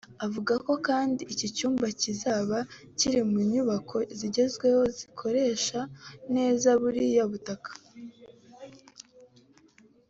Avuga ko kandi iki cyumba kizaba kiri mu nyubako zigezweho zikoresha neza buriya butaka